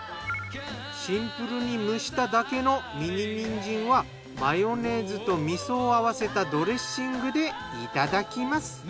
シンプルに蒸しただけのミニにんじんはマヨネーズと味噌を合わせたドレッシングでいただきます。